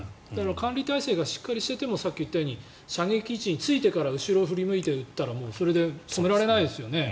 管理体制がしっかりしていてもさっき言ったように射撃位置についてから後ろを振り向いて撃ったらそれで止められないですよね。